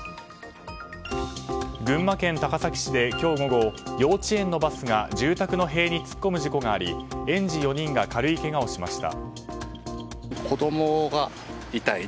群馬県高崎市で今日午後幼稚園のバスが住宅の塀に突っ込む事故があり園児４人が軽いけがをしました。